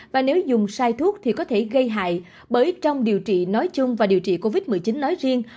và nếu dùng sai thuốc thì có thể gây hại bởi trong điều trị nói chung và điều trị covid một mươi chín nói riêng